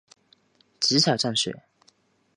极少降雪。